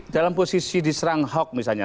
dalam posisi diserang ahok misalnya